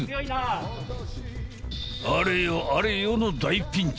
あれよあれよの大ピンチ。